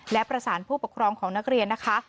และประสานผู้ปกครองของนักเรียนนะคะ